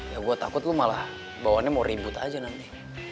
ya gue takut lu malah bawanya mau ribut aja nanti